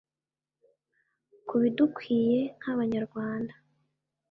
kubidukwiye nk’abanyarwanda